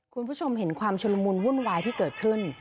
คุณผู้ชมเห็นความชุลมุนวุ่นวายที่เกิดขึ้น